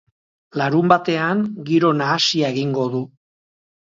Larunbatean giro nahasia egingo du.